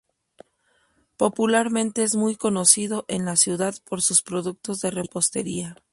Popularmente es muy conocido en la ciudad por sus productos de repostería.